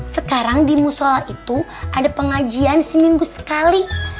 sekarang di musola itu ada pengajian seminggu sekali